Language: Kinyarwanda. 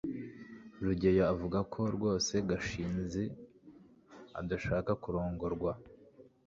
rugeyo avuga ko rwose gashinzi adashaka kurongorwa